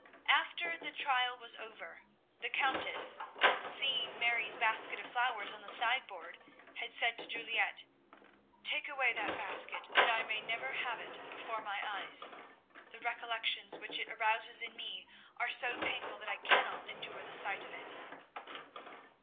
After the trial was over, the Countess, seeing Mary's basket of flowers on the sideboard, had said to Juliette, "Take away that basket, that I may never have it before my eyes. The recollections which it arouses in me are so painful that I cannot endure the sight of it."